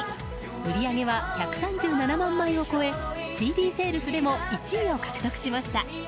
売り上げは１３７万枚を超えＣＤセールスでも１位を獲得しました。